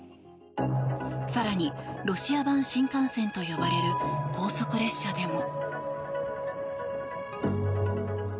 更に、ロシア版新幹線と呼ばれる高速列車でも。